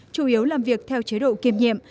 chủ yếu làm việc theo chế độ kiềm nhiệm